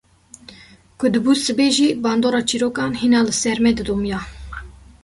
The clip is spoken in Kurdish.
Ku dibû sibe jî bandora çîrokan hîna li ser me didomiya.